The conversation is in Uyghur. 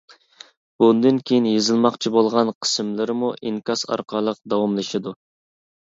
بۇندىن كېيىن يېزىلماقچى بولغان قىسىملىرىمۇ ئىنكاس ئارقىلىق داۋاملىشىدۇ.